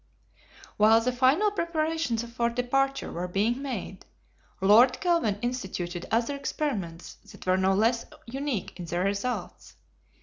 While the final preparations for departure were being made, Lord Kelvin instituted other experiments that were no less unique in their results.